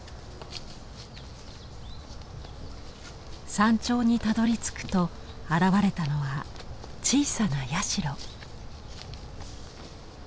山頂にたどりつくと現れたのは小さな社。